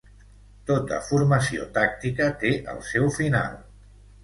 Tota formació tàctica té el seu final.